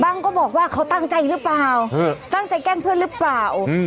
ก็บอกว่าเขาตั้งใจหรือเปล่าตั้งใจแกล้งเพื่อนหรือเปล่า